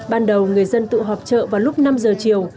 ban đầu người dân tự họp chợ vào lúc năm giờ chiều